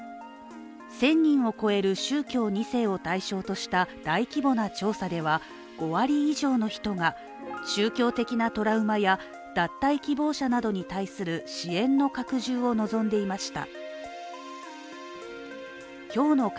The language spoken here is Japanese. １０００人を超える宗教２世を対象とした大規模な調査では５割以上の人が宗教的なトラウマや脱退希望者などに対する支援の拡充を望んでいました。